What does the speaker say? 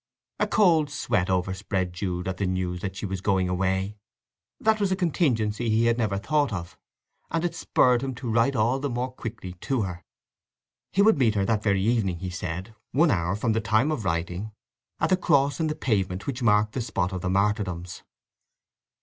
A cold sweat overspread Jude at the news that she was going away. That was a contingency he had never thought of, and it spurred him to write all the more quickly to her. He would meet her that very evening, he said, one hour from the time of writing, at the cross in the pavement which marked the spot of the Martyrdoms.